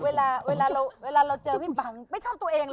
เวลาเราเจอพี่ปังไม่ชอบตัวเองหรอ